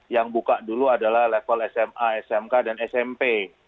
yang buka dulu adalah level sma smk dan smp